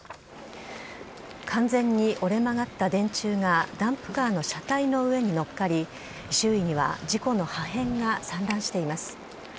完全に折れ曲がった電柱がダンプカーの車体の上に乗っかり、周囲には事故の破片が散乱しています。